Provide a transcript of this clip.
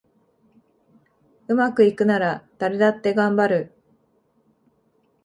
うまくいくなら誰だってがんばる